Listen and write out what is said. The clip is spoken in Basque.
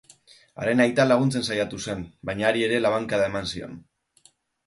Haren aita laguntzen saiatu zen baina hari ere labankada eman zion.